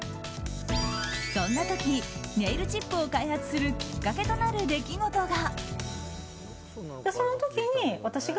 そんな時、ネイルチップを開発するきっかけとなる出来事が。